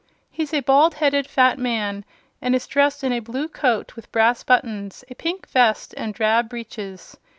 He's a bald headed fat man and is dressed in a blue coat with brass buttons, a pink vest and drab breeches.